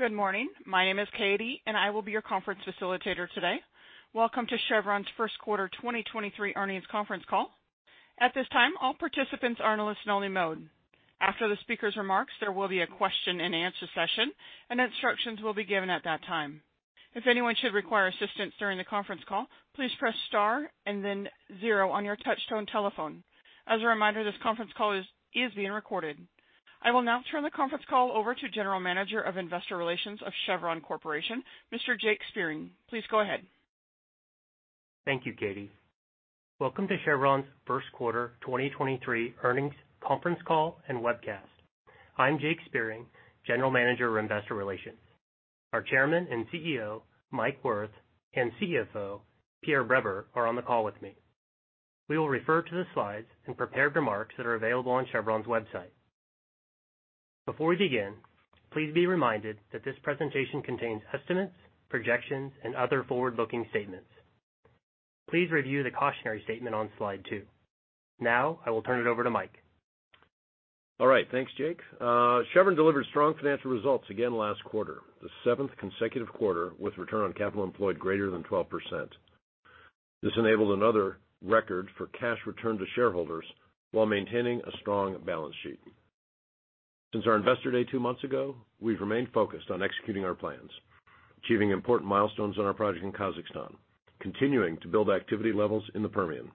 Good morning. My name is Katie, and I will be your conference facilitator today. Welcome to Chevron's first quarter 2023 earnings conference call. At this time, all participants are in a listen only mode. After the speaker's remarks, there will be a question and answer session and instructions will be given at that time. If anyone should require assistance during the conference call, please press Star and then zero on your touchtone telephone. As a reminder, this conference call is being recorded. I will now turn the conference call over to General Manager of Investor Relations of Chevron Corporation, Mr. Jake Spiering. Please go ahead. Thank you, Katie. Welcome to Chevron's first quarter 2023 earnings conference call and webcast. I'm Jake Spiering, general manager of Investor Relations. Our Chairman and CEO, Mike Wirth, and CFO, Pierre Breber, are on the call with me. We will refer to the slides and prepared remarks that are available on Chevron's website. Before we begin, please be reminded that this presentation contains estimates, projections, and other forward-looking statements. Please review the cautionary statement on slide two. Now I will turn it over to Mike. All right. Thanks, Jake. Chevron delivered strong financial results again last quarter, the seventh consecutive quarter with return on capital employed greater than 12%. This enabled another record for cash returned to shareholders while maintaining a strong balance sheet. Since our investor day 2 months ago, we've remained focused on executing our plans, achieving important milestones on our project in Kazakhstan, continuing to build activity levels in the Permian,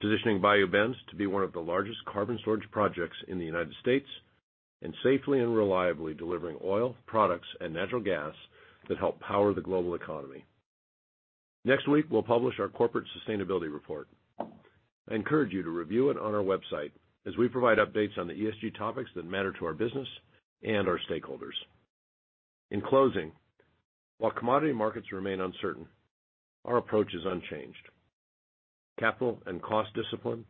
positioning Bayou Bend to be one of the largest carbon storage projects in the United States, and safely and reliably delivering oil products and natural gas that help power the global economy. Next week, we'll publish our corporate sustainability report. I encourage you to review it on our website as we provide updates on the ESG topics that matter to our business and our stakeholders. In closing, while commodity markets remain uncertain, our approach is unchanged. Capital and cost discipline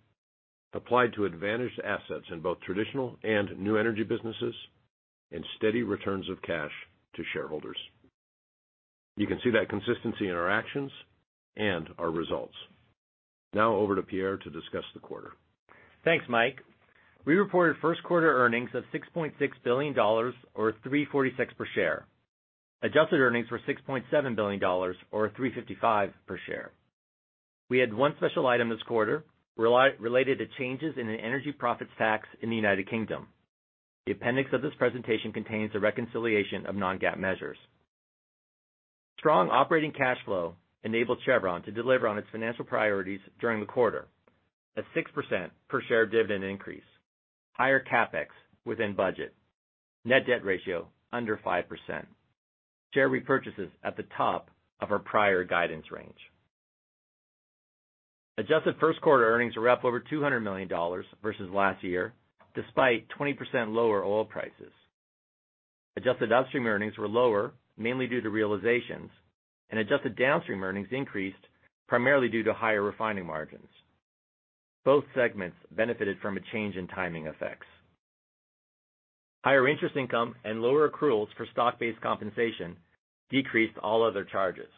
applied to advantaged assets in both traditional and new energy businesses and steady returns of cash to shareholders. You can see that consistency in our actions and our results. Now over to Pierre to discuss the quarter. Thanks, Mike. We reported first quarter earnings of $6.6 billion or $3.46 per share. Adjusted earnings were $6.7 billion or $3.55 per share. We had one special item this quarter related to changes in the Energy Profits Levy in the United Kingdom. The appendix of this presentation contains a reconciliation of non-GAAP measures. Strong operating cash flow enabled Chevron to deliver on its financial priorities during the quarter, a 6% per share dividend increase, higher CapEx within budget, net debt ratio under 5%, share repurchases at the top of our prior guidance range. Adjusted first quarter earnings were up over $200 million versus last year, despite 20% lower oil prices. Adjusted upstream earnings were lower, mainly due to realizations, and adjusted downstream earnings increased primarily due to higher refining margins. Both segments benefited from a change in timing effects. Higher interest income and lower accruals for stock-based compensation decreased all other charges.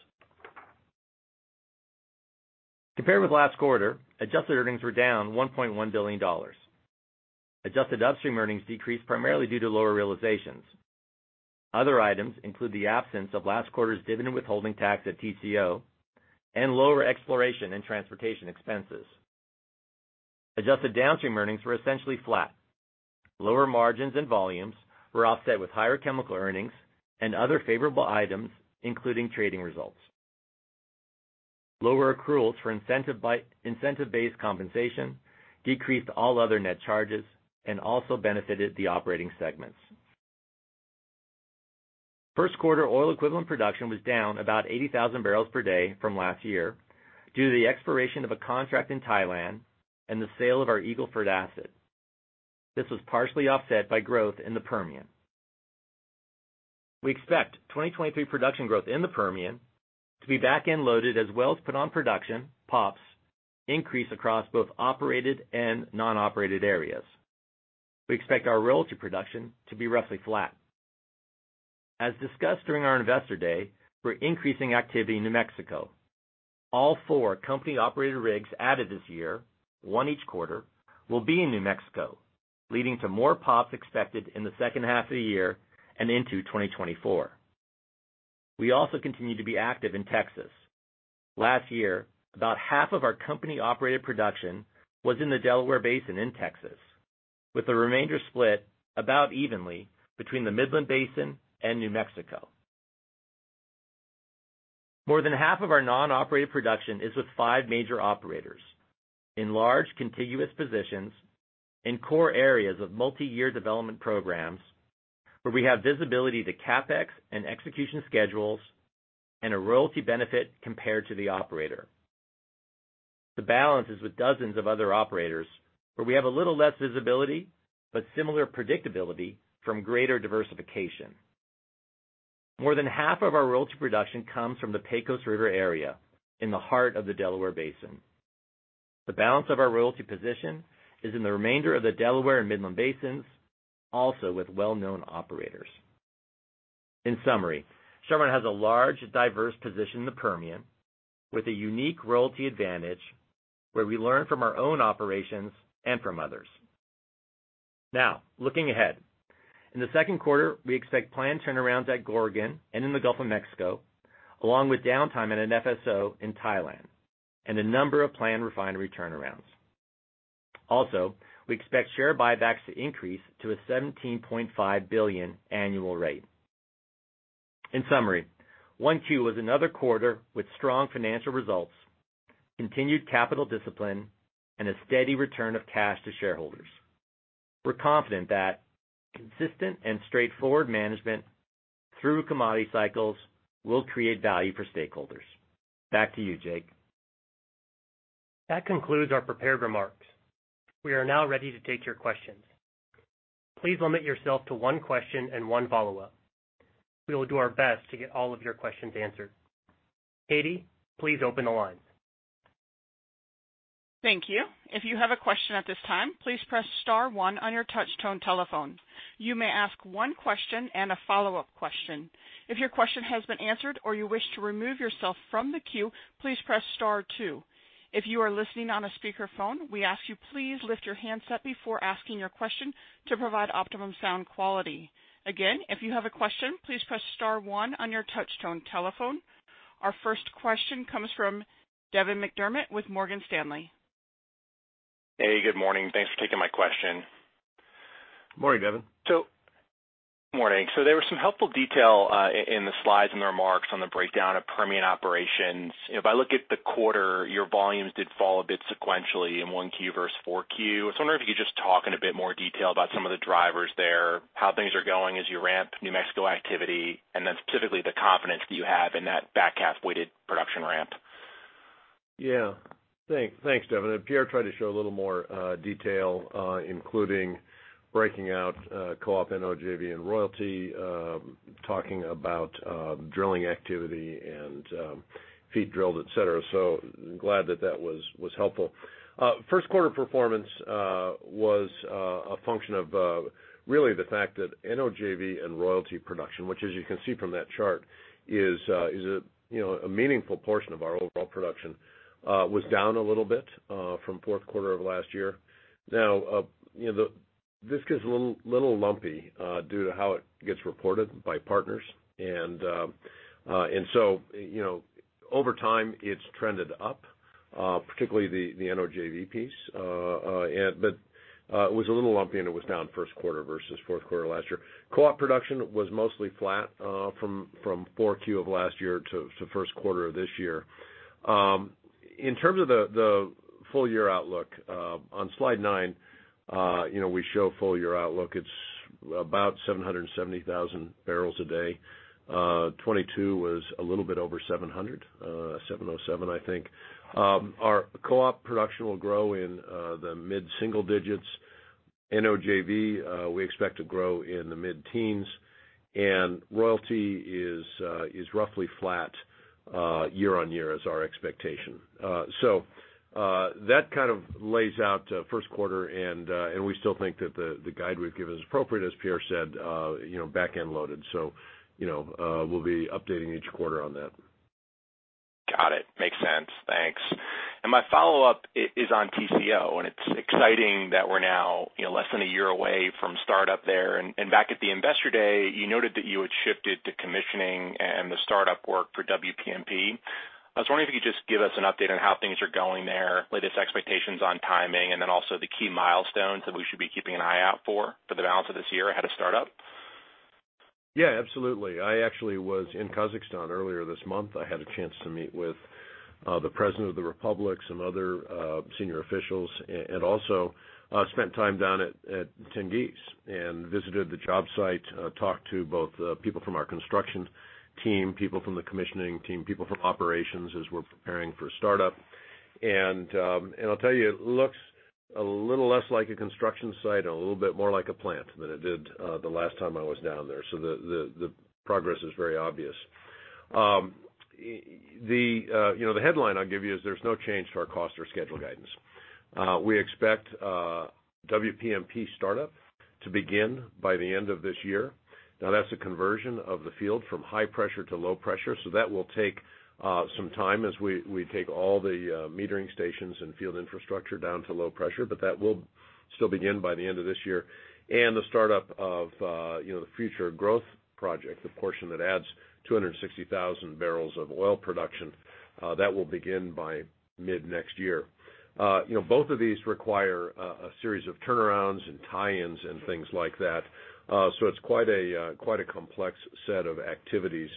Compared with last quarter, adjusted earnings were down $1.1 billion. Adjusted upstream earnings decreased primarily due to lower realizations. Other items include the absence of last quarter's dividend withholding tax at TCO and lower exploration and transportation expenses. Adjusted downstream earnings were essentially flat. Lower margins and volumes were offset with higher chemical earnings and other favorable items, including trading results. Lower accruals for incentive-based compensation decreased all other net charges and also benefited the operating segments. First quarter oil equivalent production was down about 80,000 barrels per day from last year due to the expiration of a contract in Thailand and the sale of our Eagle Ford asset. This was partially offset by growth in the Permian. We expect 2023 production growth in the Permian to be back-end loaded as wells put on production, POPs, increase across both operated and non-operated areas. We expect our royalty production to be roughly flat. As discussed during our investor day, we're increasing activity in New Mexico. All four company-operated rigs added this year, one each quarter, will be in New Mexico, leading to more POPs expected in the second half of the year and into 2024. We also continue to be active in Texas. Last year, about half of our company-operated production was in the Delaware Basin in Texas, with the remainder split about evenly between the Midland Basin and New Mexico. More than half of our non-operated production is with five major operators in large contiguous positions in core areas of multi-year development programs where we have visibility to capex and execution schedules and a royalty benefit compared to the operator. The balance is with dozens of other operators, where we have a little less visibility but similar predictability from greater diversification. More than half of our royalty production comes from the Pecos River area in the heart of the Delaware Basin. The balance of our royalty position is in the remainder of the Delaware and Midland basins, also with well-known operators. In summary, Chevron has a large, diverse position in the Permian with a unique royalty advantage, where we learn from our own operations and from others. Looking ahead. In the second quarter, we expect planned turnarounds at Gorgon and in the Gulf of Mexico, along with downtime at an FSO in Thailand and a number of planned refinery turnarounds. We expect share buybacks to increase to a $17.5 billion annual rate. In summary, one Q was another quarter with strong financial results, continued capital discipline, and a steady return of cash to shareholders. We're confident that consistent and straightforward management through commodity cycles will create value for stakeholders. Back to you, Jake. That concludes our prepared remarks. We are now ready to take your questions. Please limit yourself to one question and one follow-up. We will do our best to get all of your questions answered. Katie, please open the line. Thank you. If you have a question at this time, please press star one on your touchtone telephone. You may ask one question and a follow-up question. If your question has been answered or you wish to remove yourself from the queue, please press star two. If you are listening on a speakerphone, we ask you please lift your handset before asking your question to provide optimum sound quality. Again, if you have a question, please press star one on your touchtone telephone. Our first question comes from Devin McDermott with Morgan Stanley. Hey, good morning. Thanks for taking my question. Morning, Devin. There was some helpful detail, in the slides and the remarks on the breakdown of Permian operations. If I look at the quarter, your volumes did fall a bit sequentially in 1Q versus 4Q. I was wondering if you could just talk in a bit more detail about some of the drivers there, how things are going as you ramp New Mexico activity, and then specifically the confidence that you have in that back half-weighted production ramp. Yeah. Thanks, Devin. Pierre tried to show a little more detail, including breaking out co-op NOJV and royalty, talking about drilling activity and feet drilled, et cetera. Glad that was helpful. First quarter performance was a function of really the fact that NOJV and royalty production, which as you can see from that chart is, you know, a meaningful portion of our overall production, was down a little bit from fourth quarter of last year. You know, this gets a little lumpy due to how it gets reported by partners. You know, over time, it's trended up, particularly the NOJV piece. It was a little lumpy, and it was down first quarter versus fourth quarter last year. Co-op production was mostly flat from 4Q of last year to first quarter of this year. In terms of the full year outlook, on slide 9, you know, we show full year outlook. It's about 770,000 barrels a day. 2022 was a little bit over 700, 707, I think. Our co-op production will grow in the mid-single digits. NOJV, we expect to grow in the mid-teens. Royalty is roughly flat year-on-year as our expectation. That kind of lays out first quarter, and we still think that the guide we've given is appropriate, as Pierre said, you know, back-end loaded. We'll be updating each quarter on that. Got it. Makes sense. Thanks. My follow-up is on TCO, and it's exciting that we're now, you know, less than a year away from startup there. Back at the Investor Day, you noted that you had shifted to commissioning and the startup work for WPMP. I was wondering if you could just give us an update on how things are going there, latest expectations on timing, and then also the key milestones that we should be keeping an eye out for the balance of this year ahead of startup. Yeah, absolutely. I actually was in Kazakhstan earlier this month. I had a chance to meet with the president of the republic, some other senior officials, and also spent time down at Tengiz and visited the job site, talked to both people from our construction team, people from the commissioning team, people from operations as we're preparing for startup. I'll tell you, it looks a little less like a construction site and a little bit more like a plant than it did the last time I was down there. The progress is very obvious. You know, the headline I'll give you is there's no change to our cost or schedule guidance. We expect WPMP startup to begin by the end of this year. Now that's a conversion of the field from high pressure to low pressure. That will take some time as we take all the metering stations and field infrastructure down to low pressure, but that will still begin by the end of this year. The startup of, you know, the Future Growth Project, the portion that adds 260,000 barrels of oil production, that will begin by mid-next year. You know, both of these require a series of turnarounds and tie-ins and things like that. It's quite a complex set of activities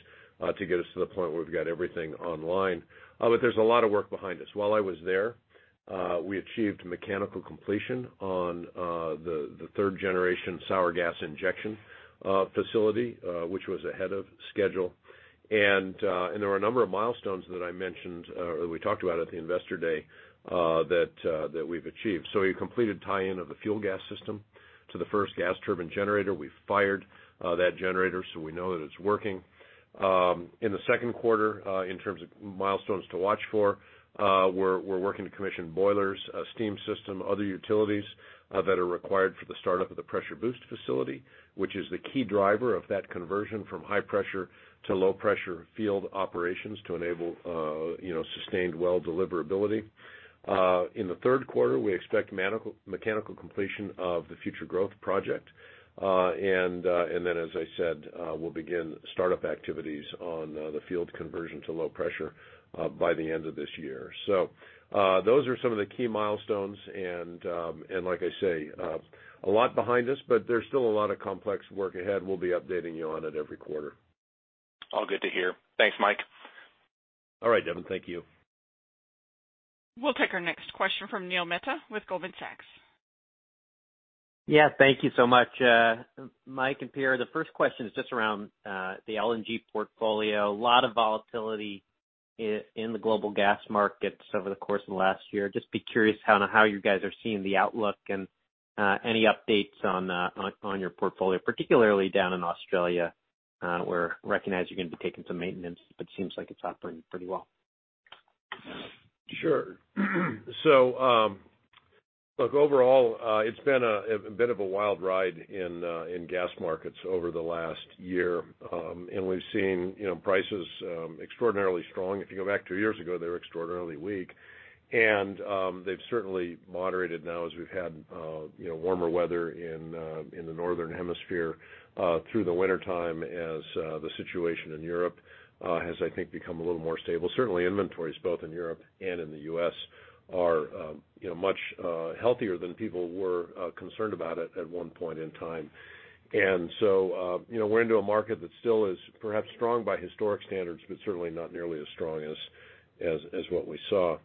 to get us to the point where we've got everything online. There's a lot of work behind us. While I was there, we achieved mechanical completion on the third generation sour gas injection facility, which was ahead of schedule. There were a number of milestones that I mentioned or we talked about at the Investor Day that we've achieved. We completed tie-in of the fuel gas system to the first gas turbine generator. We fired that generator, so we know that it's working. In the second quarter, in terms of milestones to watch for, we're working to commission boilers, a steam system, other utilities that are required for the startup of the pressure boost facility, which is the key driver of that conversion from high pressure to low pressure field operations to enable, you know, sustained well deliverability. In the third quarter, we expect mechanical completion of the Future Growth Project. As I said, we'll begin start-up activities on the field conversion to low pressure by the end of this year. Those are some of the key milestones and, like I say, a lot behind us, but there's still a lot of complex work ahead. We'll be updating you on it every quarter. All good to hear. Thanks, Mike. All right, Devin. Thank you. We'll take our next question from Neil Mehta with Goldman Sachs. Yeah, thank you so much, Mike and Pierre. The first question is just around the LNG portfolio. A lot of volatility in the global gas markets over the course of last year. Just be curious how you guys are seeing the outlook and any updates on your portfolio, particularly down in Australia, where recognize you're gonna be taking some maintenance, but seems like it's operating pretty well. Sure. Look, overall, it's been a bit of a wild ride in gas markets over the last year. We've seen, you know, prices extraordinarily strong. If you go back 2 years ago, they were extraordinarily weak. They've certainly moderated now as we've had, you know, warmer weather in the northern hemisphere through the wintertime as the situation in Europe has, I think, become a little more stable. Certainly inventories both in Europe and in the U.S. are, you know, much healthier than people were concerned about it at one point in time. You know, we're into a market that still is perhaps strong by historic standards, but certainly not nearly as strong as what we saw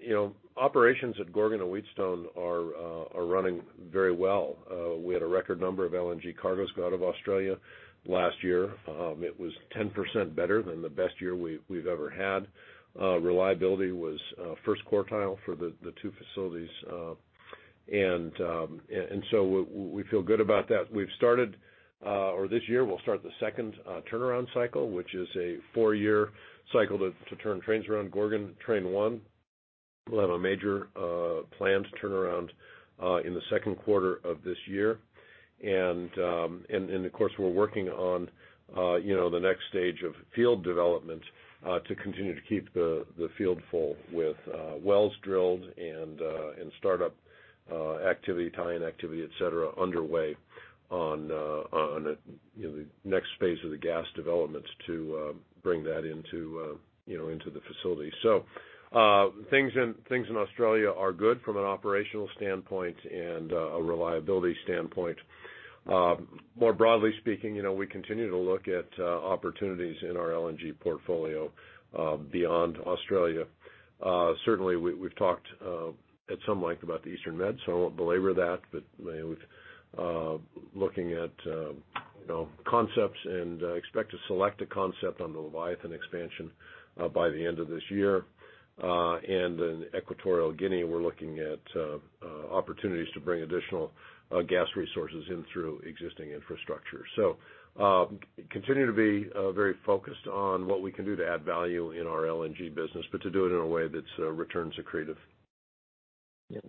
you know, operations at Gorgon and Wheatstone are running very well. We had a record number of LNG cargoes go out of Australia last year. It was 10% better than the best year we've ever had. Reliability was first quartile for the two facilities. We feel good about that. We've started, or this year, we'll start the second turnaround cycle, which is a four-year cycle to turn trains around Gorgon train one. We'll have a major planned turnaround in the second quarter of this year. Of course, we're working on, you know, the next stage of field development to continue to keep the field full with wells drilled and start-up activity, tie-in activity, et cetera, underway on a, you know, the next phase of the gas developments to bring that into, you know, into the facility. Things in Australia are good from an operational standpoint and a reliability standpoint. More broadly speaking, you know, we continue to look at opportunities in our LNG portfolio beyond Australia. Certainly we've talked at some length about the Eastern Med, so I won't belabor that. You know, we've looking at, you know, concepts and expect to select a concept on the Leviathan expansion by the end of this year. In Equatorial Guinea, we're looking at opportunities to bring additional gas resources in through existing infrastructure. Continue to be very focused on what we can do to add value in our LNG business, but to do it in a way that's returns accretive. Yeah,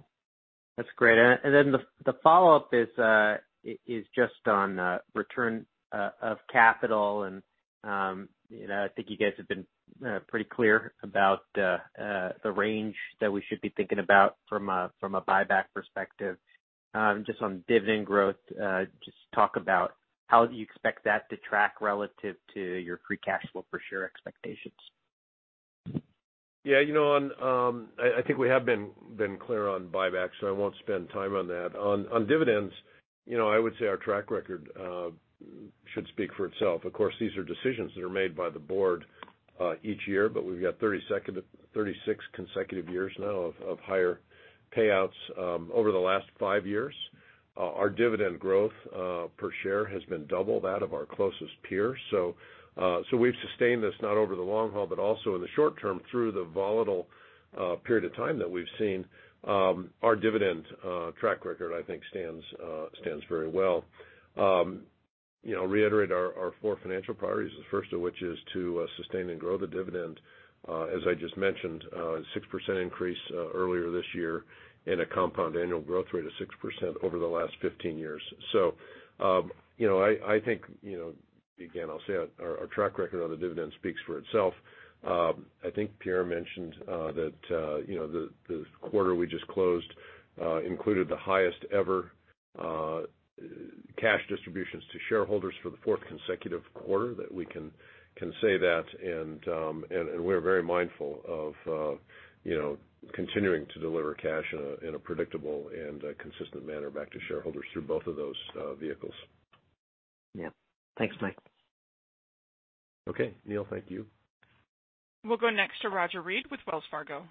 that's great. Then the follow-up is just on return of capital and, you know, I think you guys have been pretty clear about the range that we should be thinking about from a buyback perspective. Just on dividend growth, just talk about how you expect that to track relative to your free cash flow per share expectations. Yeah, you know, on, I think we have been clear on buybacks, so I won't spend time on that. On dividends, you know, I would say our track record should speak for itself. Of course, these are decisions that are made by the board each year, but we've got 36 consecutive years now of higher payouts. Over the last 5 years, our dividend growth per share has been double that of our closest peer. We've sustained this not over the long haul, but also in the short term through the volatile period of time that we've seen. Our dividend track record, I think stands very well. You know, reiterate our 4 financial priorities, the first of which is to sustain and grow the dividend. As I just mentioned, 6% increase earlier this year and a compound annual growth rate of 6% over the last 15 years. You know, I think, you know, again, I'll say our track record on the dividend speaks for itself. I think Pierre mentioned that, you know, the quarter we just closed included the highest ever cash distributions to shareholders for the fourth consecutive quarter, that we can say that. We're very mindful of, you know, continuing to deliver cash in a predictable and consistent manner back to shareholders through both of those vehicles. Yeah. Thanks, Mike. Okay. Neil, thank you. We'll go next to Roger Read with Wells Fargo.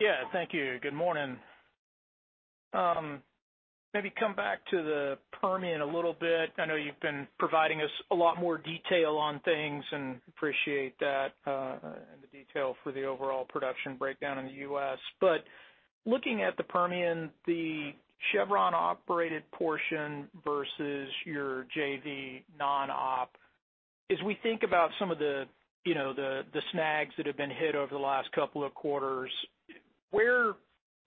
Yeah, thank you. Good morning. maybe come back to the Permian a little bit. I know you've been providing us a lot more detail on things, and appreciate that, and the detail for the overall production breakdown in the U.S. Looking at the Permian, the Chevron-operated portion versus your JV non-op, as we think about some of the, you know, the snags that have been hit over the last couple of quarters.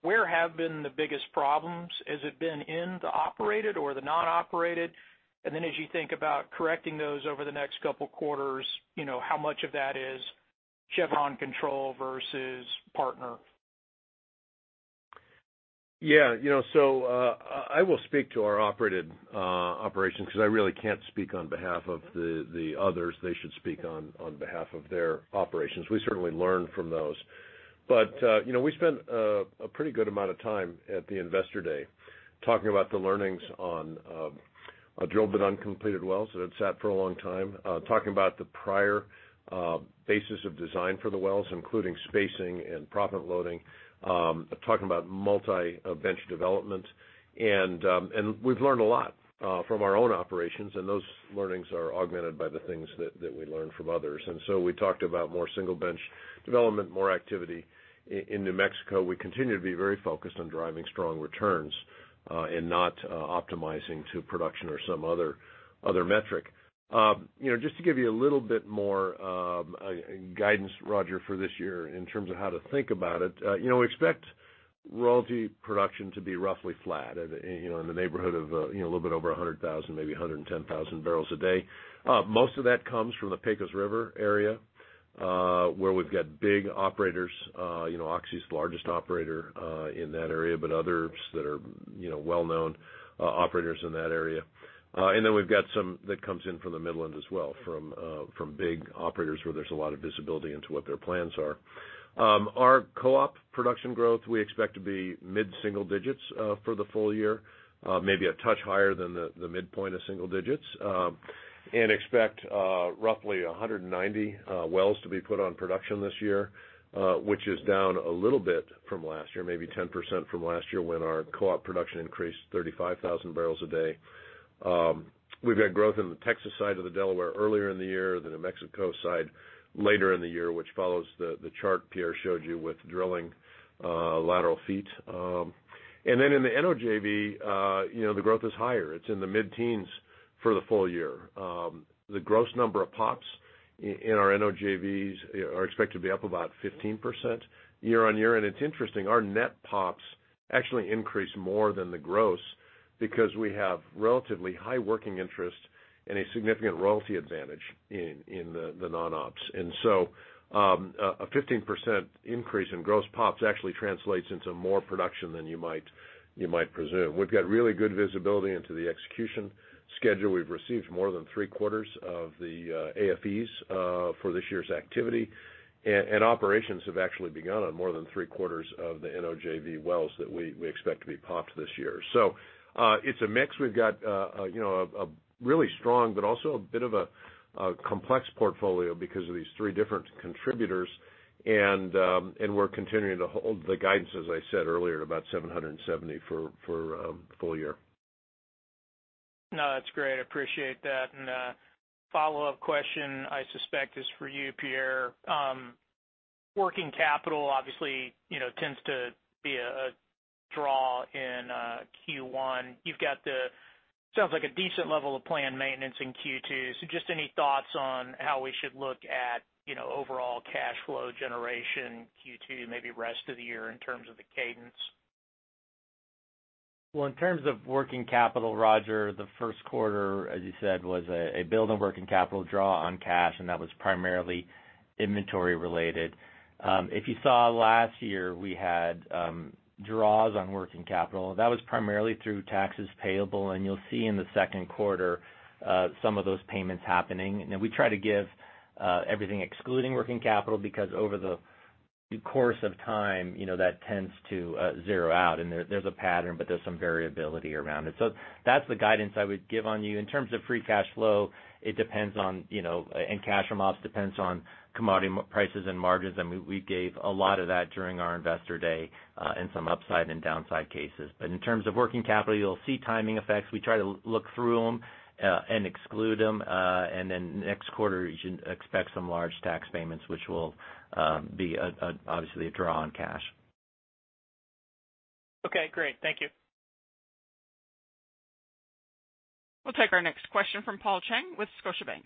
Where have been the biggest problems? Has it been in the operated or the non-operated? as you think about correcting those over the next couple quarters, you know, how much of that is Chevron control versus partner? You know, I will speak to our operated operations because I really can't speak on behalf of the others. They should speak on behalf of their operations. We certainly learn from those. You know, we spent a pretty good amount of time at the Investor Day talking about the learnings on drilled but uncompleted wells that had sat for a long time, talking about the prior basis of design for the wells, including spacing and proppant loading, talking about multi-bench development. We've learned a lot from our own operations, and those learnings are augmented by the things that we learn from others. We talked about more single-bench development, more activity in New Mexico. We continue to be very focused on driving strong returns, and not optimizing to production or some other metric. You know, just to give you a little bit more guidance, Roger, for this year in terms of how to think about it, you know, expect royalty production to be roughly flat, you know, in the neighborhood of, you know, a little bit over 100,000, maybe 110,000 barrels a day. Most of that comes from the Pecos River area, where we've got big operators, you know, Oxy's the largest operator in that area, but others that are, you know, well-known operators in that area. I know we've got to have some that comes in from the Midland as well, from big operators where there's a lot of visibility into what their plans are. Our co-op production growth, we expect to be mid-single digits for the full year, maybe a touch higher than the midpoint of single digits. And expect roughly 190 wells to be put on production this year, which is down a little bit from last year, maybe 10% from last year when our co-op production increased 35,000 barrels a day. We've got growth in the Texas side of the Delaware earlier in the year, the New Mexico side later in the year, which follows the chart Pierre showed you with drilling lateral feet In the NOJV, you know, the growth is higher. It's in the mid-teens for the full year. The gross number of POPs in our NOJVs are expected to be up about 15% year on year. It's interesting, our net POPs actually increase more than the gross because we have relatively high working interest and a significant royalty advantage in the non-ops. A 15% increase in gross POPs actually translates into more production than you might presume. We've got really good visibility into the execution schedule. We've received more than 3/4 of the AFEs for this year's activity, and operations have actually begun on more than 3/4 of the NOJV wells that we expect to be POPed this year. It's a mix. We've got, you know, a really strong but also a bit of a complex portfolio because of these three different contributors. We're continuing to hold the guidance, as I said earlier, to about 770 for full year. No, that's great. I appreciate that. Follow-up question I suspect is for you, Pierre. Working capital obviously, you know, tends to be a draw in Q1. You've got Sounds like a decent level of planned maintenance in Q2. Just any thoughts on how we should look at, you know, overall cash flow generation Q2, maybe rest of the year in terms of the cadence? Well, in terms of working capital, Roger, the 1st quarter, as you said, was a build on working capital draw on cash, and that was primarily inventory related. If you saw last year, we had draws on working capital. That was primarily through taxes payable, and you'll see in the second quarter, some of those payments happening. We try to give everything excluding working capital, because over the course of time, you know, that tends to zero out. There's a pattern, but there's some variability around it. That's the guidance I would give on you. In terms of free cash flow, it depends on, you know, and cash amounts depends on commodity prices and margins, and we gave a lot of that during our Investor Day, and some upside and downside cases. In terms of working capital, you'll see timing effects. We try to look through them and exclude them. Next quarter, you should expect some large tax payments, which will be obviously a draw on cash. Okay, great. Thank you. We'll take our next question from Paul Cheng with Scotiabank.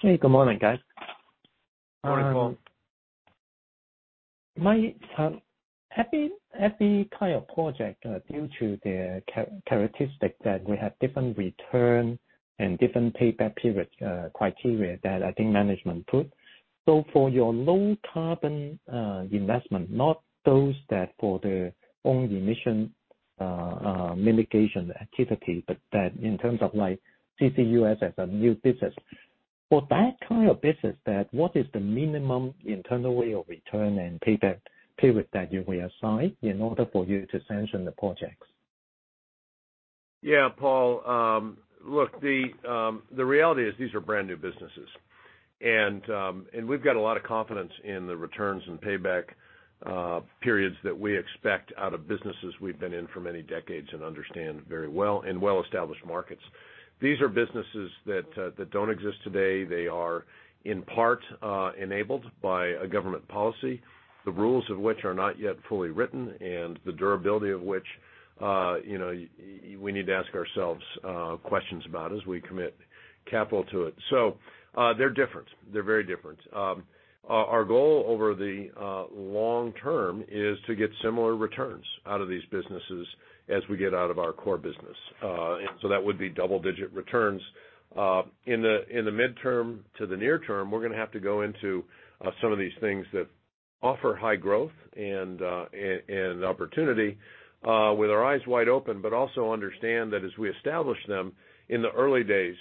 Hey, good morning, guys. Morning, Paul. My every kind of project, due to their characteristic that we have different return and different payback period, criteria that I think management put. For your low carbon investment, not those that for the own emission mitigation activity, but that in terms of like CCUS as a new business. For that kind of business that what is the minimum internal way of return and payback period that you will assign in order for you to sanction the projects? Yeah, Paul. Look, the reality is these are brand new businesses, and we've got a lot of confidence in the returns and payback periods that we expect out of businesses we've been in for many decades and understand very well in well-established markets. These are businesses that don't exist today. They are in part enabled by a government policy, the rules of which are not yet fully written and the durability of which, you know, we need to ask ourselves questions about as we commit capital to it. They're different. They're very different. Our goal over the long term is to get similar returns out of these businesses as we get out of our core business. That would be double-digit returns. In the midterm to the near term, we're gonna have to go into some of these things that offer high growth and opportunity with our eyes wide open, but also understand that as we establish them in the early days,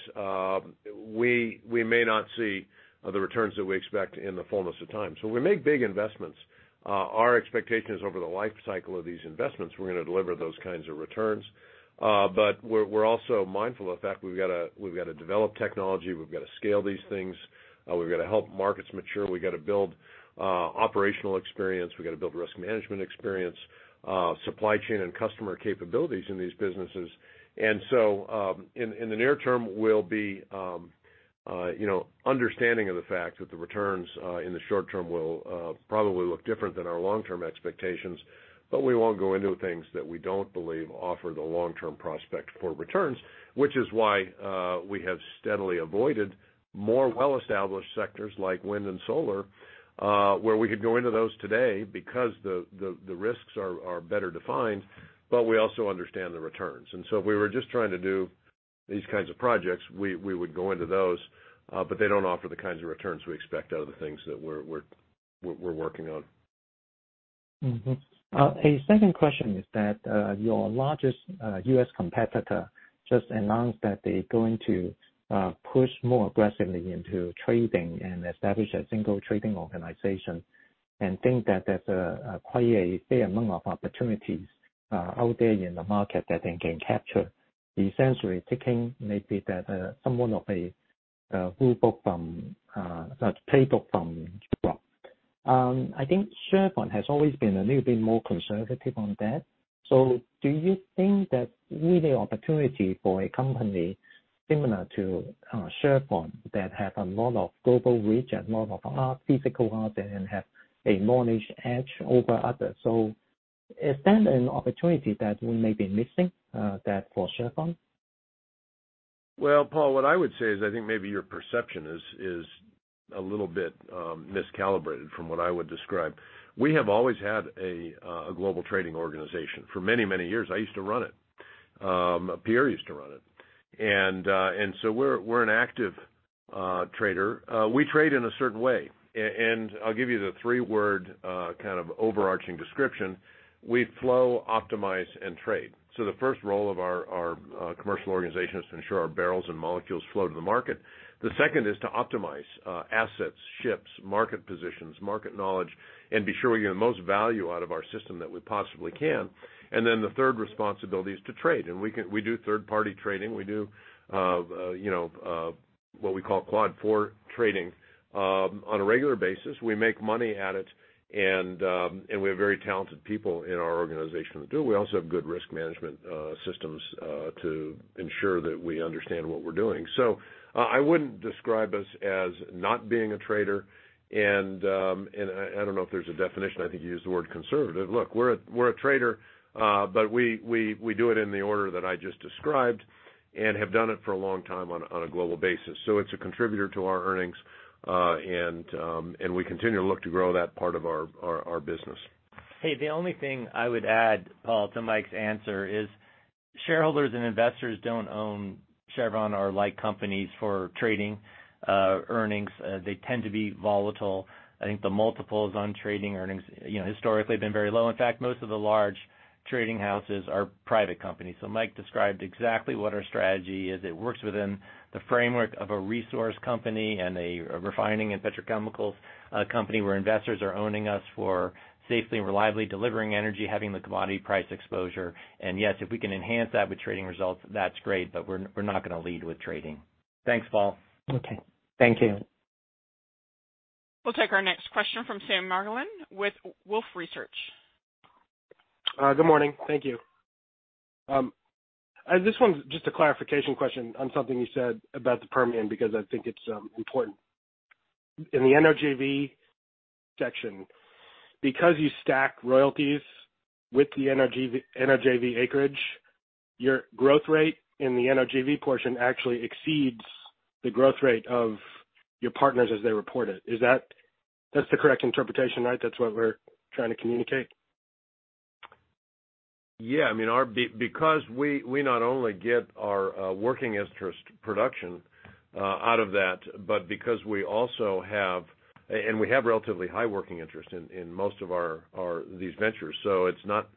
we may not see the returns that we expect in the fullness of time. We make big investments. Our expectation is over the life cycle of these investments, we're gonna deliver those kinds of returns. We're also mindful of the fact we've got to develop technology, we've got to scale these things, we've got to help markets mature, we've got to build operational experience, we've got to build risk management experience, supply chain and customer capabilities in these businesses. In the near term, we'll be, you know, understanding of the fact that the returns in the short term will probably look different than our long-term expectations, but we won't go into things that we don't believe offer the long-term prospect for returns, which is why we have steadily avoided more well-established sectors like wind and solar, where we could go into those today because the risks are better defined, but we also understand the returns. If we were just trying to do these kinds of projects, we would go into those, but they don't offer the kinds of returns we expect out of the things that we're working on. A second question is that, your largest U.S. competitor just announced that they're going to push more aggressively into trading and establish a single trading organization and think that there's quite a fair amount of opportunities out there in the market that they can capture. Essentially taking maybe that, somewhat of a playbook from. I think Chevron has always been a little bit more conservative on that. Do you think that really opportunity for a company similar to Chevron that have a lot of global reach and a lot of physical asset and have a knowledge edge over others, so is that an opportunity that we may be missing, that for Chevron? Well, Paul, what I would say is I think maybe your perception is a little bit miscalibrated from what I would describe. We have always had a global trading organization for many, many years. I used to run it. Pierre used to run it. We're an active trader. We trade in a certain way. I'll give you the three-word kind of overarching description. We flow, optimize, and trade. The first role of our commercial organization is to ensure our barrels and molecules flow to the market. The second is to optimize assets, ships, market positions, market knowledge, and be sure we get the most value out of our system that we possibly can. Then the third responsibility is to trade. We do third-party trading, we do, you know, what we call Quad 4 trading, on a regular basis. We make money at it, we have very talented people in our organization that do. We also have good risk management systems to ensure that we understand what we're doing. I wouldn't describe us as not being a trader. I don't know if there's a definition. I think you used the word conservative. Look, we're a, we're a trader, but we do it in the order that I just described and have done it for a long time on a global basis. It's a contributor to our earnings, we continue to look to grow that part of our business. Hey, the only thing I would add, Paul, to Mike's answer is shareholders and investors don't own Chevron or like companies for trading, earnings. They tend to be volatile. I think the multiples on trading earnings, you know, historically have been very low. In fact, most of the large trading houses are private companies. Mike described exactly what our strategy is. It works within the framework of a resource company and a refining and petrochemicals, company where investors are owning us for safely and reliably delivering energy, having the commodity price exposure. Yes, if we can enhance that with trading results, that's great, but we're not gonna lead with trading. Thanks, Paul. Okay. Thank you. We'll take our next question from Sam Margolin with Wolfe Research. Good morning. Thank you. This one's just a clarification question on something you said about the Permian, because I think it's important. In the NOJV section, because you stack royalties with the NOJV acreage, your growth rate in the NOJV portion actually exceeds the growth rate of your partners as they report it. That's the correct interpretation, right? That's what we're trying to communicate? Yeah. I mean, our because we not only get our working interest production out of that, but because we also have. We have relatively high working interest in most of our these ventures. It's not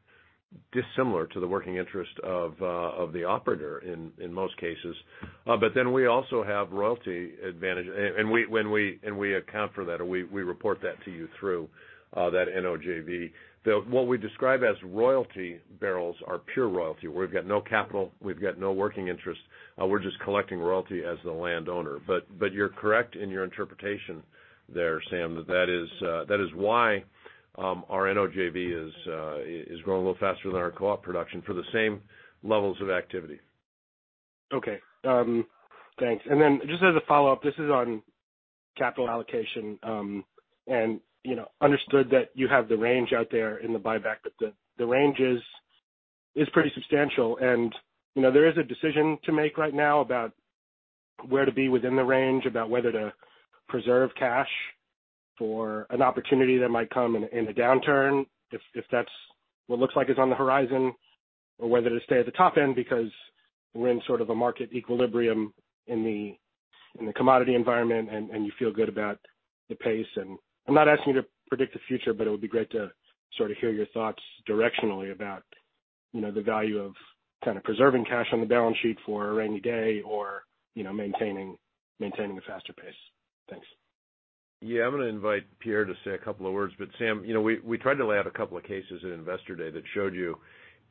dissimilar to the working interest of the operator in most cases. We also have royalty advantage. We account for that, or we report that to you through that NOJV. What we describe as royalty barrels are pure royalty. We've got no capital, we've got no working interest, we're just collecting royalty as the landowner. You're correct in your interpretation there, Sam. That is why, our NOJV is growing a little faster than our co-op production for the same levels of activity. Okay. Thanks. Just as a follow-up, this is on capital allocation. You know, understood that you have the range out there in the buyback, but the range is pretty substantial. You know, there is a decision to make right now about where to be within the range, about whether to preserve cash for an opportunity that might come in a downturn if that's what looks like is on the horizon, or whether to stay at the top end because we're in sort of a market equilibrium in the commodity environment, and you feel good about the pace. I'm not asking you to predict the future, but it would be great to sort of hear your thoughts directionally about, you know, the value of kind of preserving cash on the balance sheet for a rainy day or, you know, maintaining a faster pace. Thanks. Yeah. I'm gonna invite Pierre to say a couple of words, but Sam, you know, we tried to lay out a couple of cases at Investor Day that showed you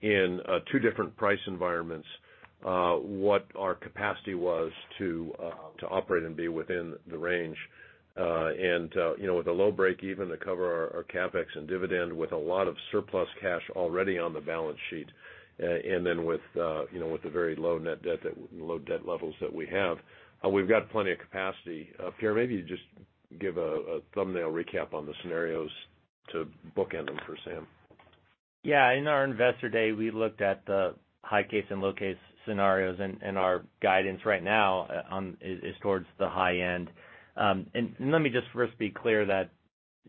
in two different price environments, what our capacity was to operate and be within the range. You know, with a low breakeven to cover our capex and dividend with a lot of surplus cash already on the balance sheet, and then with, you know, with the very low net debt, low debt levels that we have, we've got plenty of capacity. Pierre, maybe you just give a thumbnail recap on the scenarios to bookend them for Sam. In our Investor Day, we looked at the high case and low case scenarios, and our guidance right now is towards the high end. And let me just first be clear that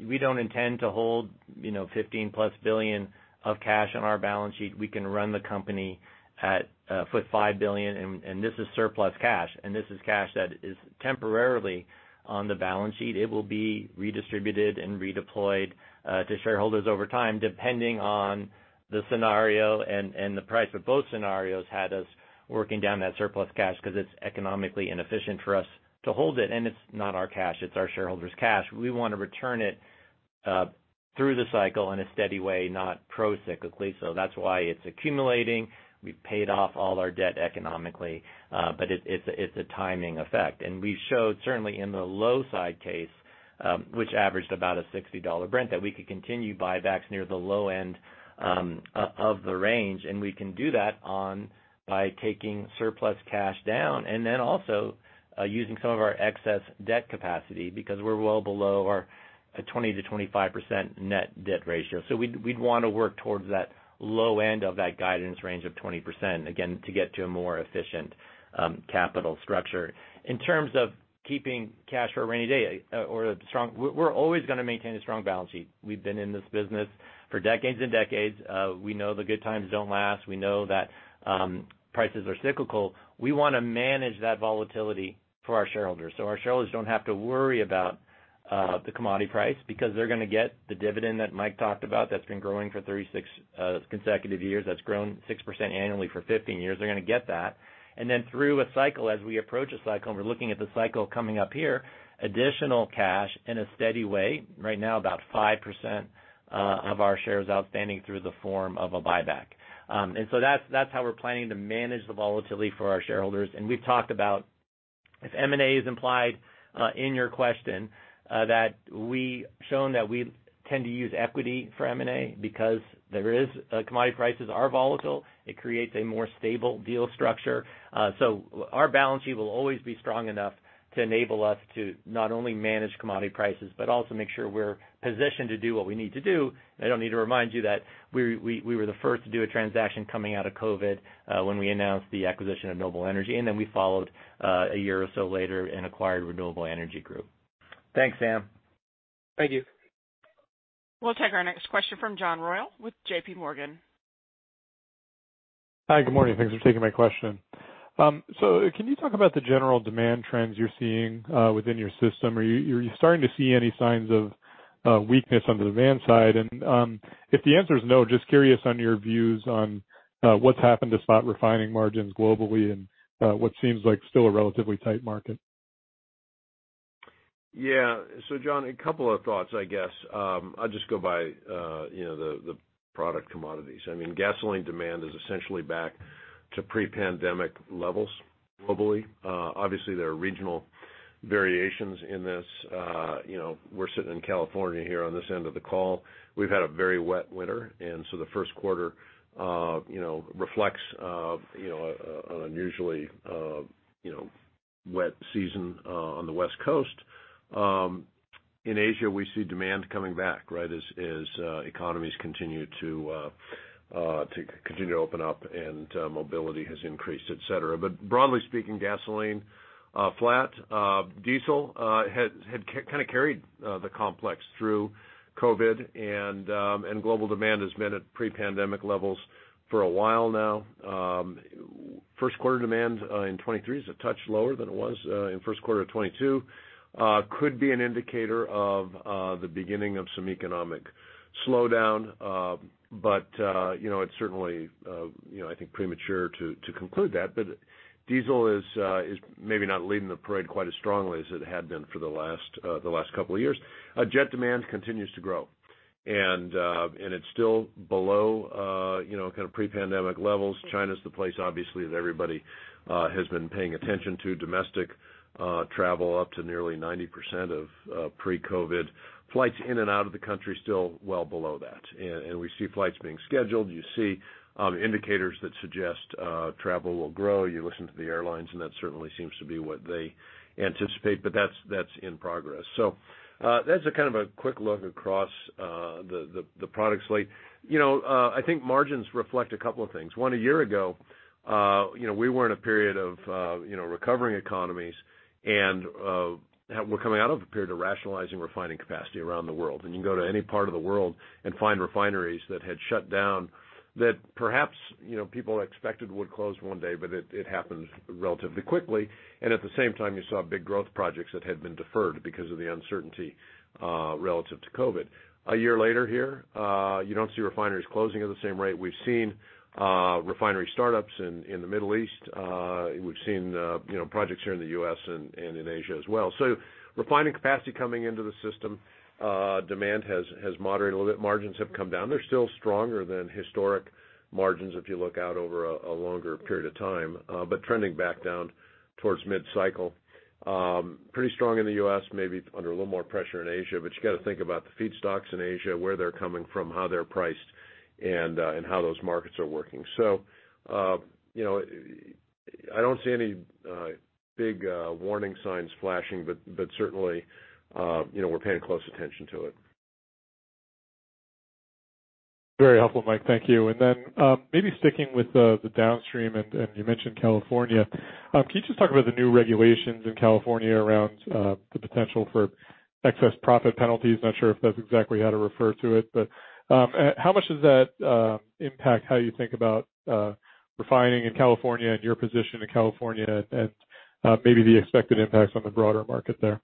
we don't intend to hold, you know, $15+ billion of cash on our balance sheet. We can run the company at with $5 billion, and this is surplus cash, and this is cash that is temporarily on the balance sheet. It will be redistributed and redeployed to shareholders over time, depending on the scenario and the price. Both scenarios had us working down that surplus cash because it's economically inefficient for us to hold it. It's not our cash, it's our shareholders' cash. We wanna return it through the cycle in a steady way, not procyclically. That's why it's accumulating. We've paid off all our debt economically, but it's a timing effect. We showed certainly in the low side case, which averaged about a $60 Brent, that we could continue buybacks near the low end of the range. We can do that by taking surplus cash down and then also using some of our excess debt capacity because we're well below our 20% to 25% net debt ratio. We'd wanna work towards that low end of that guidance range of 20%, again, to get to a more efficient capital structure. In terms of keeping cash for a rainy day, or a strong. We're always gonna maintain a strong balance sheet. We've been in this business for decades and decades. We know the good times don't last. We know that prices are cyclical. We wanna manage that volatility for our shareholders, so our shareholders don't have to worry about the commodity price because they're gonna get the dividend that Mike talked about that's been growing for 36 consecutive years, that's grown 6% annually for 15 years. They're gonna get that. Through a cycle, as we approach a cycle, and we're looking at the cycle coming up here, additional cash in a steady way, right now about 5% of our shares outstanding through the form of a buyback. So that's how we're planning to manage the volatility for our shareholders. We've talked about if M&A is implied in your question, that we've shown that we tend to use equity for M&A because there is commodity prices are volatile. It creates a more stable deal structure. Our balance sheet will always be strong enough to enable us to not only manage commodity prices but also make sure we're positioned to do what we need to do. I don't need to remind you that we were the first to do a transaction coming out of COVID, when we announced the acquisition of Noble Energy, and then we followed, a year or so later and acquired Renewable Energy Group. Thanks, Sam. Thank you. We'll take our next question from John Royall with JPMorgan. Hi. Good morning. Thanks for taking my question. Can you talk about the general demand trends you're seeing within your system? Are you starting to see any signs of weakness on the demand side? If the answer is no, just curious on your views on what's happened to spot refining margins globally and what seems like still a relatively tight market. Yeah. John, a couple of thoughts, I guess. I'll just go by, you know, the product commodities. I mean, gasoline demand is essentially back to pre-pandemic levels globally. Obviously, there are regional variations in this. You know, we're sitting in California here on this end of the call. We've had a very wet winter, the first quarter, you know, reflects, you know, an unusually, you know, wet season on the West Coast. In Asia, we see demand coming back, right, as economies continue to open up and mobility has increased, et cetera. Broadly speaking, gasoline, flat. Diesel had kind of carried the complex through COVID and global demand has been at pre-pandemic levels for a while now. First quarter demand in 2023 is a touch lower than it was in first quarter of 2022. Could be an indicator of the beginning of some economic slowdown. You know, it's certainly, you know, I think premature to conclude that. Diesel is maybe not leading the parade quite as strongly as it had been for the last couple of years. Jet demand continues to growAnd, it's still below, you know, kind of pre-pandemic levels. China's the place, obviously, that everybody has been paying attention to. Domestic travel up to nearly 90% of pre-COVID. Flights in and out of the country still well below that. We see flights being scheduled. You see, indicators that suggest travel will grow. You listen to the airlines, and that certainly seems to be what they anticipate, but that's in progress. That's a kind of a quick look across the product slate. You know, I think margins reflect a couple of things. One, a year ago, you know, we were in a period of, you know, recovering economies and, we're coming out of a period of rationalizing refining capacity around the world. You can go to any part of the world and find refineries that had shut down that perhaps, you know, people expected would close one day, but it happened relatively quickly. At the same time, you saw big growth projects that had been deferred because of the uncertainty relative to COVID. A year later here, you don't see refineries closing at the same rate. We've seen refinery startups in the Middle East. We've seen, you know, projects here in the U.S. and in Asia as well. Refining capacity coming into the system, demand has moderated a little bit. Margins have come down. They're still stronger than historic margins if you look out over a longer period of time, but trending back down towards mid-cycle. Pretty strong in the U.S., maybe under a little more pressure in Asia, but you gotta think about the feedstocks in Asia, where they're coming from, how they're priced, and how those markets are working. You know, I don't see any big warning signs flashing, but certainly, you know, we're paying close attention to it. Very helpful, Mike. Thank you. Maybe sticking with the downstream, and you mentioned California. Can you just talk about the new regulations in California around the potential for excess profit penalties? Not sure if that's exactly how to refer to it, but, how much does that impact how you think about refining in California and your position in California and, maybe the expected impacts on the broader market there?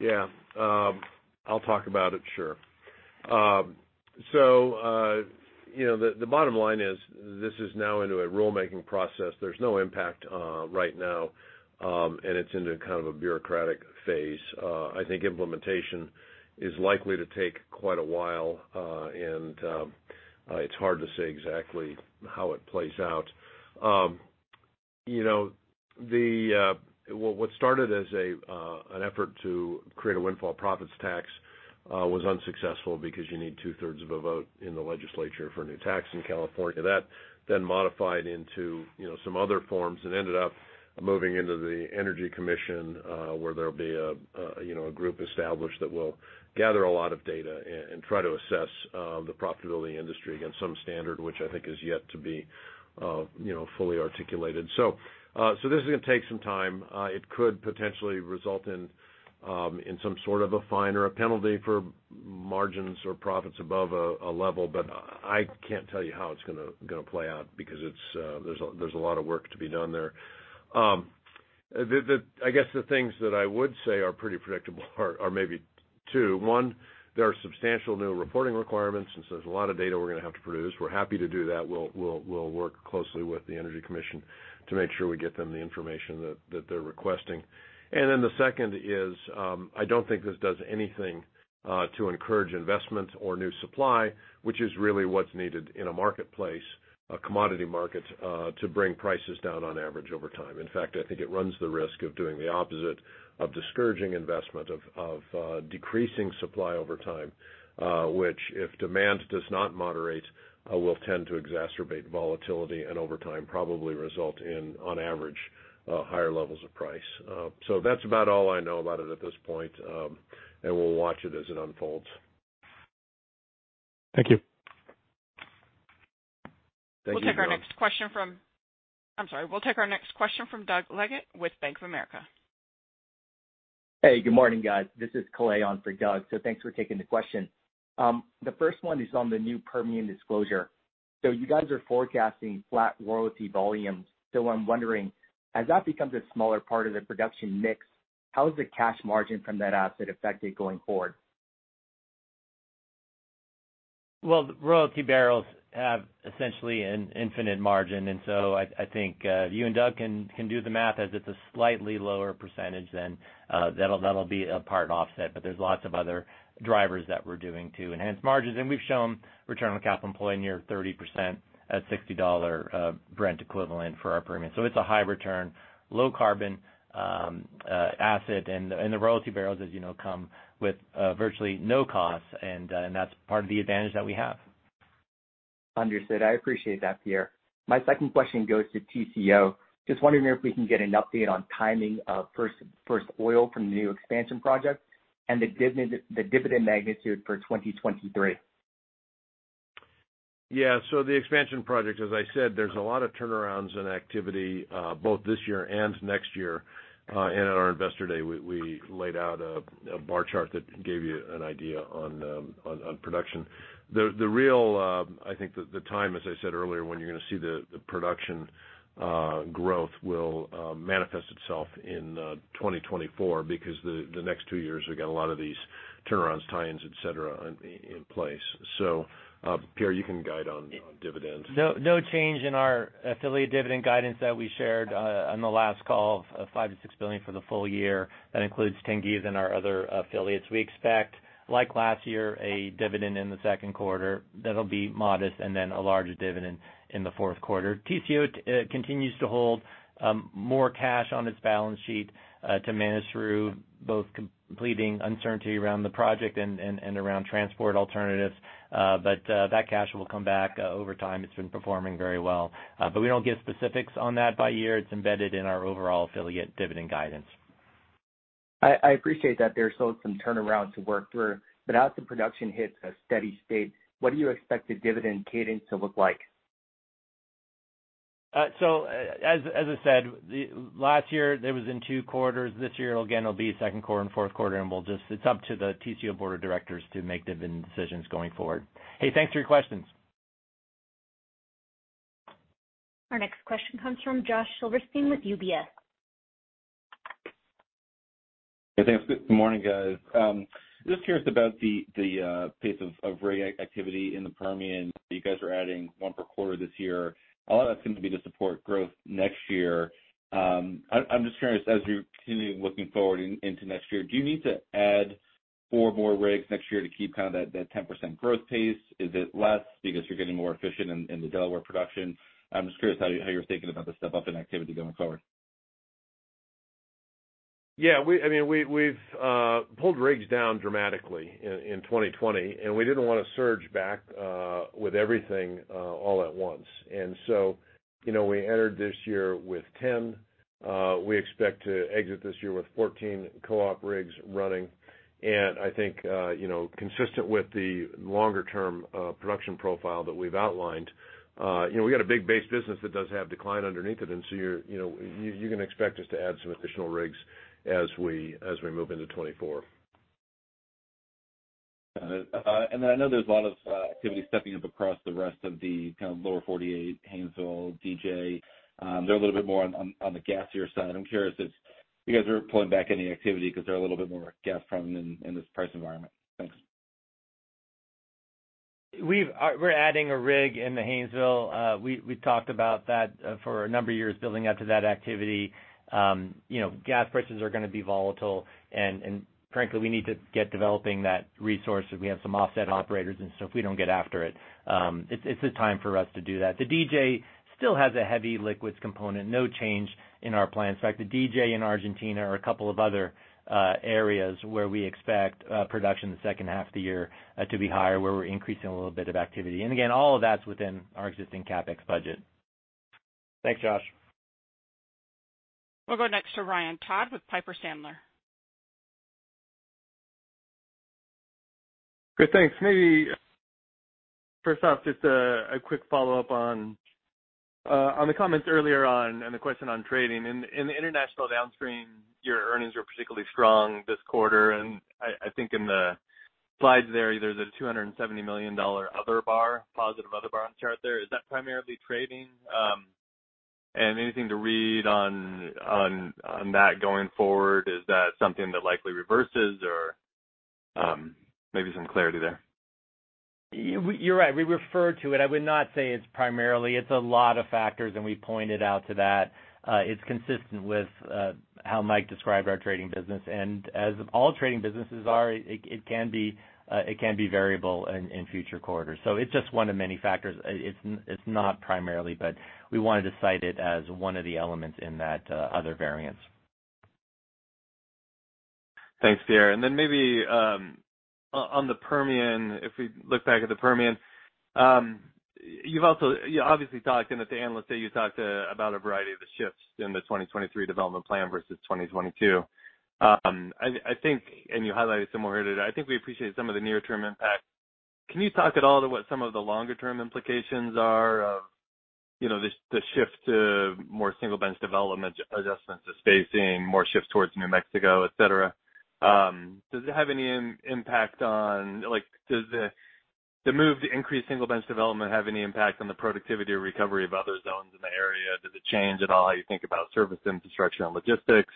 Yeah. I'll talk about it, sure. You know, the bottom line is this is now into a rulemaking process. There's no impact right now, and it's into kind of a bureaucratic phase. I think implementation is likely to take quite a while, and it's hard to say exactly how it plays out. You know, What started as an effort to create a windfall profits tax was unsuccessful because you need two-thirds of a vote in the legislature for a new tax in California. That then modified into, you know, some other forms and ended up moving into the Energy Commission, where there'll be a, you know, a group established that will gather a lot of data and try to assess the profitability of the industry against some standard which I think is yet to be, you know, fully articulated. This is gonna take some time. It could potentially result in some sort of a fine or a penalty for margins or profits above a level, but I can't tell you how it's gonna play out because it's there's a lot of work to be done there. I guess the things that I would say are pretty predictable are maybe two. One, there are substantial new reporting requirements, and so there's a lot of data we're gonna have to produce. We're happy to do that. We'll work closely with the Energy Commission to make sure we get them the information that they're requesting. The second is, I don't think this does anything to encourage investment or new supply, which is really what's needed in a marketplace, a commodity market, to bring prices down on average over time. In fact, I think it runs the risk of doing the opposite, of discouraging investment, of decreasing supply over time, which if demand does not moderate, will tend to exacerbate volatility and over time probably result in, on average, higher levels of price. That's about all I know about it at this point, and we'll watch it as it unfolds. Thank you. Thank you. We'll take our next question from Doug Leggate with Bank of America. Hey, good morning, guys. This is Kaley on for Doug. Thanks for taking the question. The first one is on the new Permian disclosure. You guys are forecasting flat royalty volumes, so I'm wondering, as that becomes a smaller part of the production mix, how is the cash margin from that asset affected going forward? Well, the royalty barrels have essentially an infinite margin. I think, you and Doug can do the math as it's a slightly lower % then that'll be a part offset. There's lots of other drivers that we're doing to enhance margins. We've shown return on capital employed near 30% at $60 Brent equivalent for our premium. It's a high return, low carbon asset. The royalty barrels, as you know, come with virtually no cost, and that's part of the advantage that we have. Understood. I appreciate that, Pierre. My second question goes to TCO. Just wondering if we can get an update on timing of first oil from the new expansion project and the dividend magnitude for 2023. Yeah. The expansion project, as I said, there's a lot of turnarounds and activity both this year and next year. At our Investor Day, we laid out a bar chart that gave you an idea on production. The real, I think the time, as I said earlier, when you're gonna see the production growth will manifest itself in 2024 because the next 2 years we've got a lot of these turnarounds, tie-ins, et cetera, in place. Pierre, you can guide on dividends. No, no change in our affiliate dividend guidance that we shared on the last call of $5 billion-$6 billion for the full year. That includes Tengiz and our other affiliates. We expect, like last year, a dividend in the second quarter that'll be modest and then a larger dividend in the fourth quarter. TCO continues to hold more cash on its balance sheet to manage through both completing uncertainty around the project and around transport alternatives. That cash will come back over time. It's been performing very well. We don't give specifics on that by year. It's embedded in our overall affiliate dividend guidance. I appreciate that there's still some turnaround to work through, as the production hits a steady state, what do you expect the dividend cadence to look like? As I said, last year, it was in 2 quarters. This year, again, it'll be second quarter and fourth quarter. It's up to the TCO board of directors to make dividend decisions going forward. Hey, thanks for your questions. Our next question comes from Josh Silverstein with UBS. Hey, thanks. Good morning, guys. Just curious about the pace of rig activity in the Permian. You guys are adding 1 per quarter this year. A lot of that's going to be to support growth next year. I'm just curious, as you're continuing looking forward into next year, do you need to add 4 more rigs next year to keep kind of that 10% growth pace? Is it less because you're getting more efficient in the Delaware production? I'm just curious how you're thinking about the step up in activity going forward. Yeah, I mean, we've pulled rigs down dramatically in 2020, and we didn't wanna surge back with everything all at once. You know, we entered this year with 10. We expect to exit this year with 14 co-op rigs running. I think, you know, consistent with the longer-term production profile that we've outlined, you know, we got a big base business that does have decline underneath it, and so you're, you know, you can expect us to add some additional rigs as we move into 2024. Got it. Then I know there's a lot of activity stepping up across the rest of the kind of lower 48, Haynesville, DJ. They're a little bit more on the gassier side. I'm curious if you guys are pulling back any activity because they're a little bit more gas-prone in this price environment. Thanks. We're adding a rig in the Haynesville. We talked about that for a number of years building up to that activity. You know, gas prices are gonna be volatile, and frankly, we need to get developing that resource. We have some offset operators, if we don't get after it's a time for us to do that. The DJ still has a heavy liquids component, no change in our plans. In fact, the DJ in Argentina are a couple of other areas where we expect production in the second half of the year to be higher, where we're increasing a little bit of activity. Again, all of that's within our existing CapEx budget. Thanks, Josh. We'll go next to Ryan Todd with Piper Sandler. Great. Thanks. Maybe first off, just a quick follow-up on the comments earlier on and the question on trading. In the international downstream, your earnings were particularly strong this quarter, and I think in the slides there's a $270 million other BAR, positive other BAR on the chart there. Is that primarily trading? Anything to read on that going forward? Is that something that likely reverses? Or, maybe some clarity there. You're right. We refer to it. I would not say it's primarily. It's a lot of factors, and we pointed out to that. It's consistent with how Mike described our trading business. As all trading businesses are, it can be variable in future quarters. It's just one of many factors. It's not primarily, but we wanted to cite it as one of the elements in that other variance. Thanks, D.A. Then maybe, on the Permian, if we look back at the Permian, you obviously talked, and at the Analyst Day, you talked about a variety of the shifts in the 2023 development plan versus 2022. I think, and you highlighted some more here today, I think we appreciate some of the near-term impact. Can you talk at all to what some of the longer-term implications are of, you know, the shift to more single-bench development, adjustments to spacing, more shifts towards New Mexico, et cetera? Does it have any impact on? Like, does the move to increase single-bench development have any impact on the productivity or recovery of other zones in the area? Does it change at all how you think about service infrastructure and logistics?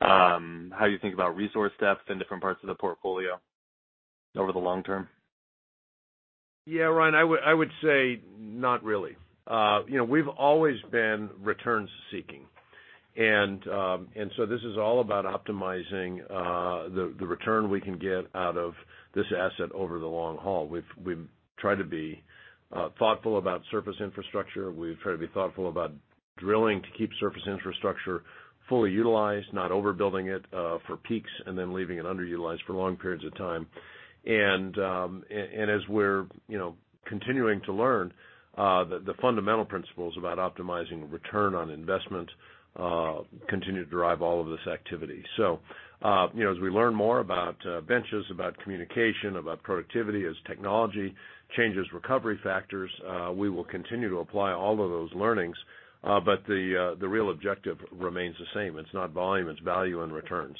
How you think about resource depth in different parts of the portfolio over the long term? Yeah, Ryan, I would say not really. You know, we've always been returns seeking. This is all about optimizing the return we can get out of this asset over the long haul. We've tried to be thoughtful about surface infrastructure. We've tried to be thoughtful about drilling to keep surface infrastructure fully utilized, not overbuilding it for peaks and then leaving it underutilized for long periods of time. As we're, you know, continuing to learn, the fundamental principles about optimizing return on investment continue to drive all of this activity. You know, as we learn more about benches, about communication, about productivity, as technology changes recovery factors, we will continue to apply all of those learnings. But the real objective remains the same. It's not volume, it's value and returns.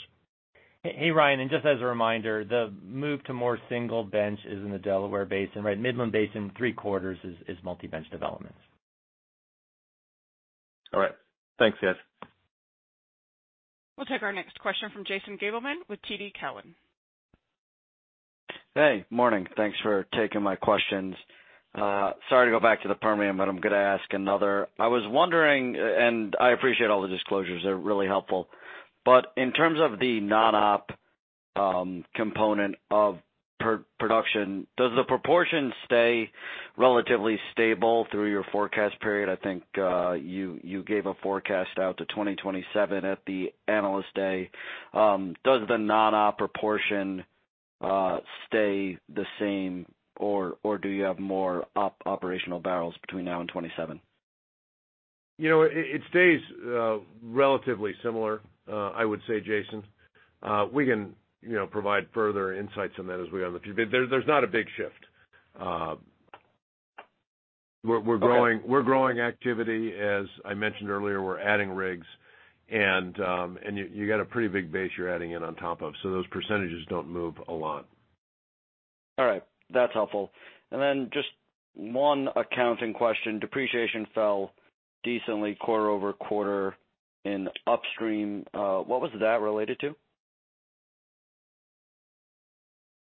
Hey, Ryan, just as a reminder, the move to more single bench is in the Delaware Basin, right? Midland Basin, three-quarters is multi-bench development. All right. Thanks, guys. We'll take our next question from Jason Gabelman with TD Cowen. Hey. Morning. Thanks for taking my questions. Sorry to go back to the Permian, but I'm gonna ask another. I was wondering, and I appreciate all the disclosures, they're really helpful, but in terms of the non-op component of production, does the proportion stay relatively stable through your forecast period? I think, you gave a forecast out to 2027 at the Analyst Day. Does the non-op proportion stay the same, or do you have more operational barrels between now and 27? You know, it stays, relatively similar, I would say, Jason. We can, you know, provide further insights on that as we have a few. There's not a big shift. We're growing activity, as I mentioned earlier, we're adding rigs and you got a pretty big base you're adding in on top of. Those percentages don't move a lot. All right. That's helpful. Then just one accounting question. Depreciation fell decently quarter-over-quarter in upstream. What was that related to?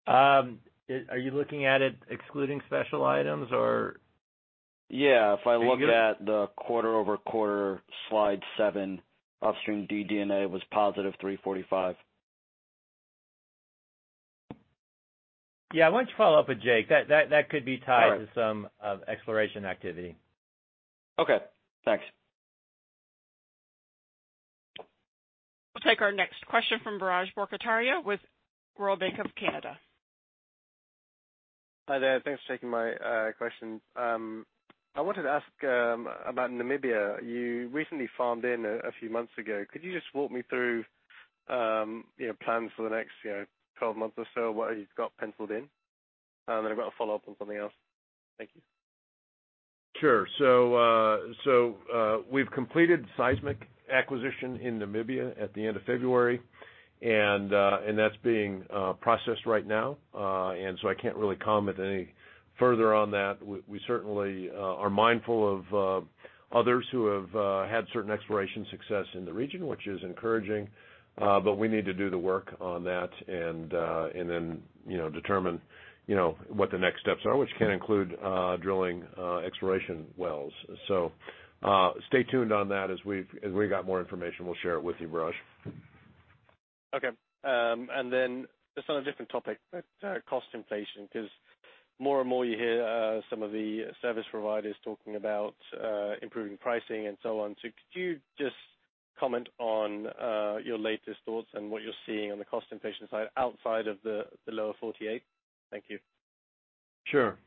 Are you looking at it excluding special items? Yeah. If I look at the quarter-over-quarter slide 7 upstream DD&A was positive $345. Yeah. Why don't you follow up with Jake? That could be tiresome exploration activity. Okay, thanks. We'll take our next question from Biraj Borkhataria with Royal Bank of Canada. Hi there. Thanks for taking my question. I wanted to ask about Namibia. You recently farmed in a few months ago. Could you just walk me through, you know, plans for the next, you know, 12 months or so, what you've got penciled in? I've got a follow-up on something else. Thank you. Sure. We've completed seismic acquisition in Namibia at the end of February, and that's being processed right now. I can't really comment any further on that. We certainly are mindful of others who have had certain exploration success in the region, which is encouraging. We need to do the work on that and then, you know, determine, you know, what the next steps are, which can include drilling exploration wells. Stay tuned on that. As we got more information, we'll share it with you, Biraj. Okay. Just on a different topic, cost inflation, 'cause more and more you hear, some of the service providers talking about improving pricing and so on. Could you just comment on your latest thoughts and what you're seeing on the cost inflation side outside of the lower 48? Thank you. Sure.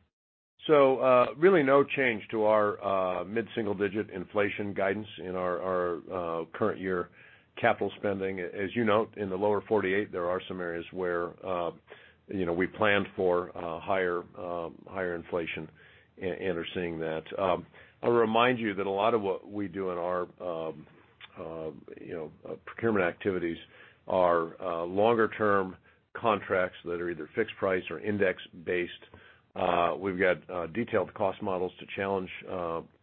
Really no change to our mid-single digit inflation guidance in our current year capital spending. As you note, in the lower 48, there are some areas where, you know, we planned for higher inflation and are seeing that. I'll remind you that a lot of what we do in our, you know, procurement activities are longer term contracts that are either fixed price or index based. We've got detailed cost models to challenge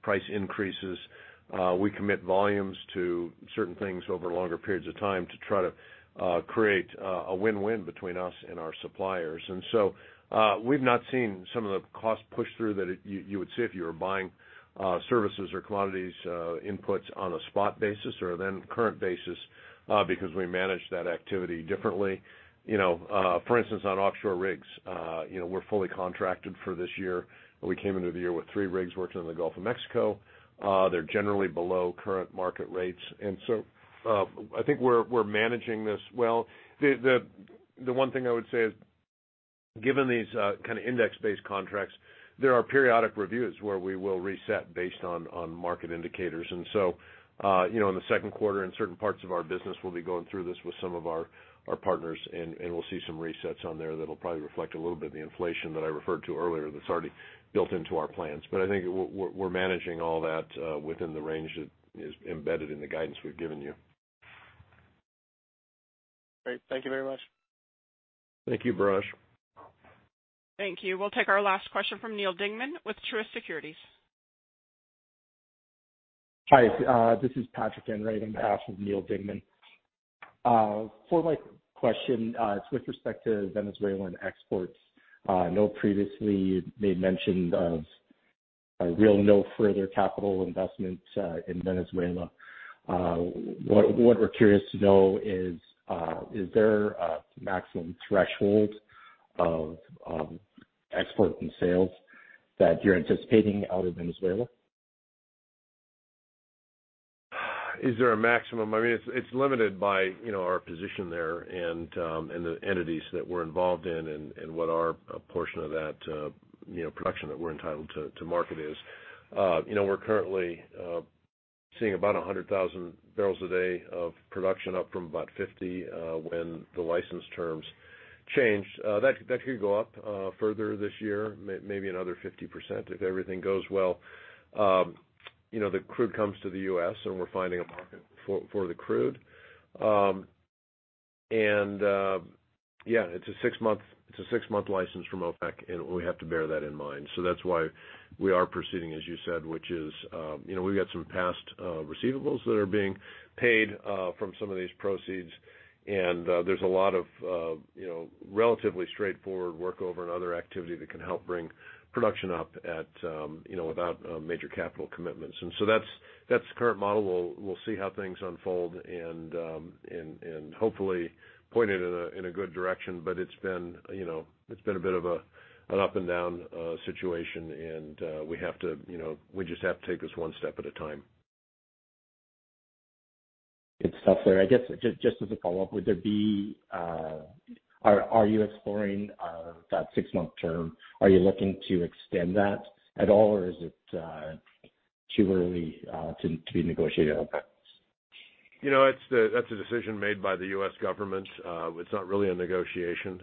price increases. We commit volumes to certain things over longer periods of time to try to create a win-win between us and our suppliers. We've not seen some of the cost push through that you would see if you were buying services or commodities inputs on a spot basis or then current basis because we manage that activity differently. You know, for instance, on offshore rigs, you know, we're fully contracted for this year. We came into the year with three rigs working in the Gulf of Mexico. They're generally below current market rates. I think we're managing this well. The one thing I would say is, given these kind of index-based contracts, there are periodic reviews where we will reset based on market indicators. You know, in the second quarter, in certain parts of our business, we'll be going through this with some of our partners, and we'll see some resets on there that'll probably reflect a little bit of the inflation that I referred to earlier that's already built into our plans. I think we're managing all that within the range that is embedded in the guidance we've given you. Great. Thank you very much. Thank you, Biraj. Thank you. We'll take our last question from Neal Dingmann with Truist Securities. Hi, this is Patrick entering on behalf of Neal Dingmann. For my question, it's with respect to Venezuelan exports. I know previously you'd made mention of real no further capital investment in Venezuela. What we're curious to know is there a maximum threshold of export and sales that you're anticipating out of Venezuela? Is there a maximum? I mean, it's limited by, you know, our position there and the entities that we're involved in and what our portion of that, you know, production that we're entitled to market is. You know, we're currently seeing about 100,000 barrels a day of production up from about 50 when the license terms changed. That could go up further this year, maybe another 50% if everything goes well. You know, the crude comes to the U.S., and we're finding a market for the crude. Yeah, it's a six-month license from OPEC, and we have to bear that in mind. That's why we are proceeding, as you said, which is, you know, we've got some past receivables that are being paid from some of these proceeds. There's a lot of, you know, relatively straightforward work over and other activity that can help bring production up at, you know, without major capital commitments. That's, that's the current model. We'll, we'll see how things unfold and hopefully point it in a good direction. It's been, you know, it's been a bit of a, an up and down situation and we have to, you know, we just have to take this one step at a time. It's tough there. I guess, just as a follow-up, would there be, Are you exploring that six-month term? Are you looking to extend that at all, or is it too early to be negotiating on that? You know, that's a decision made by the U.S. government. It's not really a negotiation.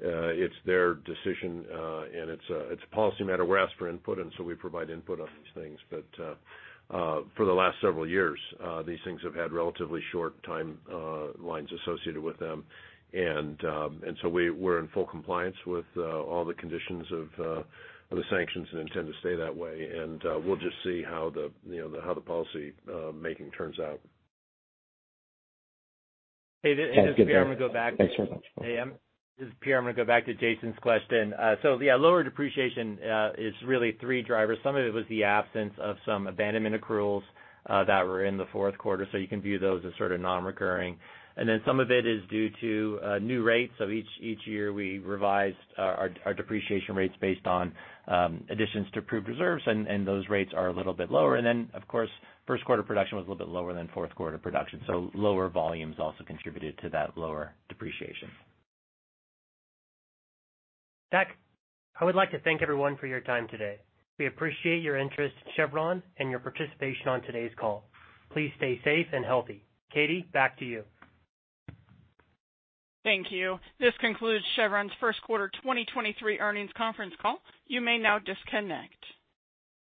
It's their decision, and it's a, it's a policy matter. We're asked for input, and so we provide input on these things. For the last several years, these things have had relatively short time lines associated with them. So we're in full compliance with all the conditions of the sanctions and intend to stay that way. We'll just see how the, you know, how the policy making turns out. All right. Good to hear. Thanks very much. Hey, this is Pierre. I'm gonna go back to Jason's question. Yeah, lower depreciation is really 3 drivers. Some of it was the absence of some abandonment accruals that were in the fourth quarter, you can view those as sort of non-recurring. Some of it is due to new rates. Each year, we revise our depreciation rates based on additions to approved reserves, and those rates are a little bit lower. Of course, first quarter production was a little bit lower than fourth quarter production. Lower volumes also contributed to that lower depreciation. Tech, I would like to thank everyone for your time today. We appreciate your interest in Chevron and your participation on today's call. Please stay safe and healthy. Katie, back to you. Thank you. This concludes Chevron's first quarter 2023 earnings conference call. You may now disconnect.